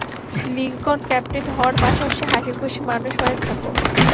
Lincoln, captain হওয়ার পাশাপাশি হাসিখুশি মানুষ হয়ে থাকো।